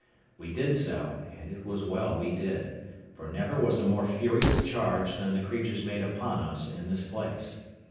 We did so, and it was well we did; for never was a more furious charge than the creatures made upon us in this place.